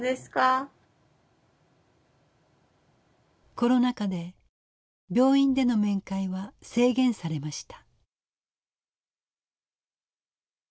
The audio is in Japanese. コロナ禍で病院での面会は制限されました。